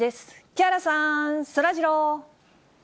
木原さん、そらジロー。